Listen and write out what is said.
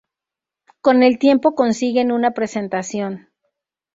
Con el tiempo consiguen una presentación.